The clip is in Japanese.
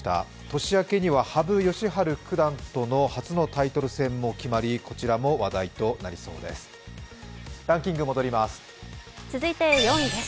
年明けには羽生善治九段との初のタイトル戦も決まり、こちらも話題となりそうです。